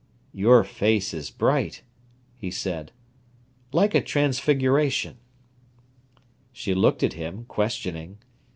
"Your face is bright," he said, "like a transfiguration." She looked at him, questioning.